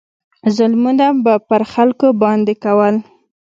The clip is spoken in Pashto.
ظلمونه به پر خلکو باندې کول.